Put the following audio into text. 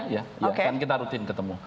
ya kan kita rutin ketemu